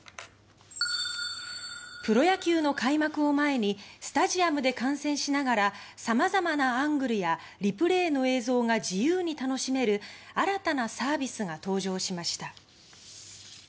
プロ野球の開幕を前にスタジアムで観戦しながらさまざまなアングルやリプレイの映像が自由に楽しめる新たなサービスが登場しました。